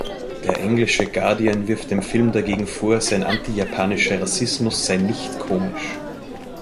Der englische "Guardian" wirft dem Film dagegen vor, sein „anti-japanischer Rassismus“ sei nicht komisch.